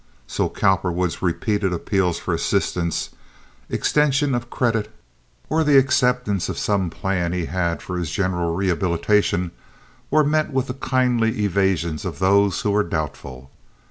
So Cowperwood's repeated appeals for assistance, extension of credit, or the acceptance of some plan he had for his general rehabilitation, were met with the kindly evasions of those who were doubtful.